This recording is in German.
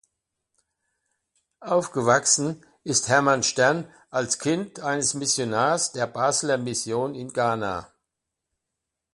Aufgewachsen ist Hermann Stern als Kind eines Missionars der Basler Mission in Ghana.